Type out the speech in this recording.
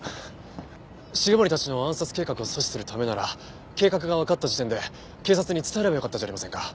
繁森たちの暗殺計画を阻止するためなら計画がわかった時点で警察に伝えればよかったじゃありませんか。